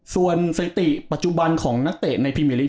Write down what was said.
ส่วนเศรษฐีปัจจุบันของนักเตะในพิเมริก